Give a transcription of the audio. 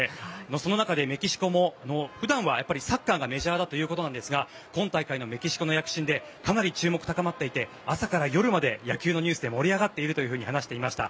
その中で、メキシコも普段はサッカーがメジャーですが今大会のメキシコの躍進でかなり注目が高まっていて朝から夜まで野球のニュースで盛り上がっていると話していました。